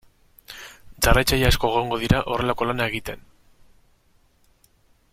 Jarraitzaile asko egongo dira horrelako lana egiten.